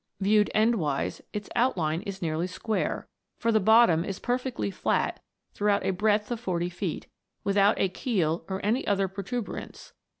Viewed end wise, its outline is nearly square, for the bottom is perfectly flat throughout a breadth of forty feet, without a keel or any other protuberance.